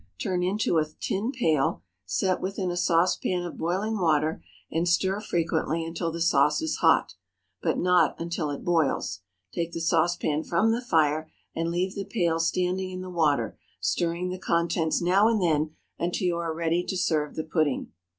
Turn into a tin pail, set within a saucepan of boiling water, and stir frequently until the sauce is hot, but not until it boils. Take the saucepan from the fire and leave the pail standing in the water, stirring the contents now and then, until you are ready to serve the pudding.